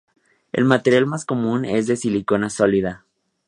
El material más común es de silicona sólida.